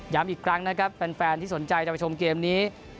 อีกครั้งนะครับแฟนที่สนใจจะไปชมเกมนี้